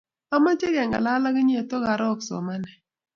amoche kengalal akinye tokarok somane.